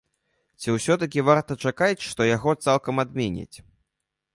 Ці ўсё-такі варта чакаць, што яго цалкам адменяць?